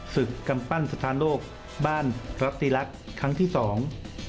กำปั้นสถานโลกบ้านรับตีรักษ์ครั้งที่สอง